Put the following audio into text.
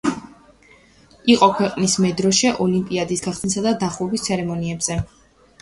იყო ქვეყნის მედროშე ოლიმპიადის გახსნისა და დახურვის ცერემონიებზე.